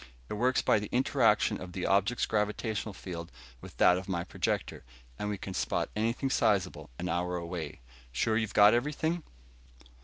It works by the interaction of the object's gravitational field with that of my projector, and we can spot anything sizable an hour away. Sure you've got everything?"